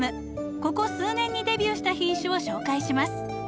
ここ数年にデビューした品種を紹介します。